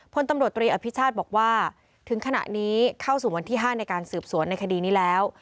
พลตำรวจตรีอภิชาติบอกว่าถึงขณะนี้เข้าสู่วันที่๕ในการสืบสวนในคดีนี้แล้ว